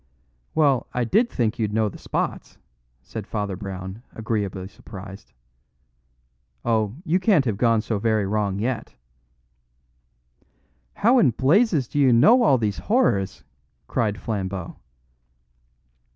"Well, I did think you'd know the Spots," said Father Brown, agreeably surprised. "Oh, you can't have gone so very wrong yet!" "How in blazes do you know all these horrors?" cried Flambeau.